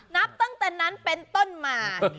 นับตั้งแต่นั้นเป็นต้นมา